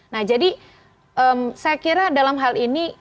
nah jadi saya kira dalam hal ini